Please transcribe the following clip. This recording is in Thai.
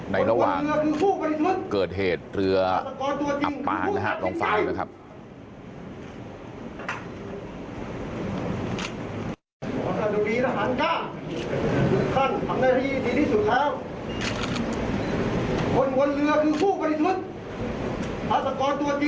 ในระหว่างเกิดเหตุเรือหัมปานน้ำศพ